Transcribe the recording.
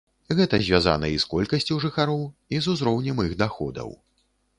Гэта звязана і з колькасцю жыхароў, і з узроўнем іх даходаў.